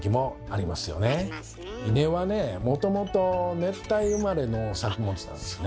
もともと熱帯生まれの作物なんですね。